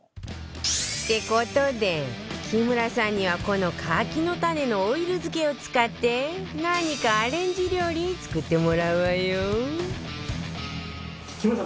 って事で木村さんにはこの柿の種のオイル漬けを使って何かアレンジ料理作ってもらうわよ